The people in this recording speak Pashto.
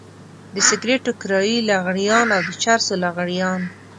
د سګرټو کرايي لغړيان او د چرسو لغړيان.